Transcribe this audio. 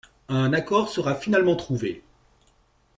Un accord sera finalement trouvé.